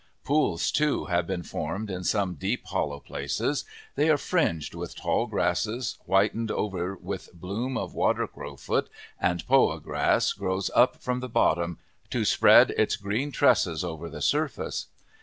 Pools, too, have been formed in some deep, hollow places; they are fringed with tall grasses, whitened over with bloom of water crowfoot, and poa grass grows up from the bottom to spread its green tresses over the surface.